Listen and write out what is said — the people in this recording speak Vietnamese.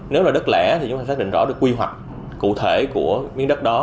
nếu là đất lẻ thì chúng ta xác định rõ được quy hoạch cụ thể của miếng đất đó